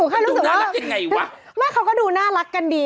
หรอ